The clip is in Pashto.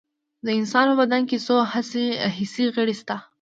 د انسان په بدن کې څو حسي غړي شته